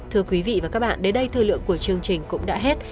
thưa quý vị và các bạn đến đây thời lượng của chương trình cũng đã hết